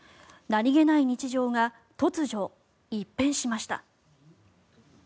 何げない日常が突如、一変しました。